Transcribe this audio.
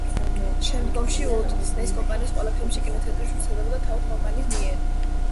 შემდგომში უოლტ დისნეის კომპანიის ყველა ფილმი კინოთეატრებში ვრცელდებოდა თავად კომპანიის მიერ.